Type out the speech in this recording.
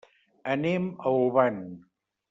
Anem a Olvan.